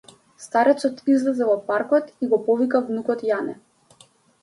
Старецот излезе во паркот и го повика внукот Јане.